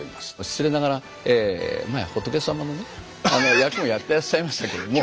失礼ながら前仏様のねあの役もやってらっしゃいましたけども。